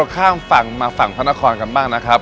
ข้ามฝั่งมาฝั่งพระนครกันบ้างนะครับ